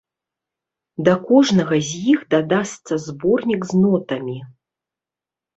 Да кожнага з іх дадасца зборнік з нотамі.